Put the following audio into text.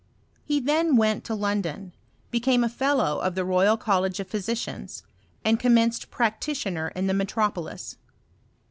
He thai went to London, became a fellow of the Royal College of Physicians, and com menced practitioner in the metropolis.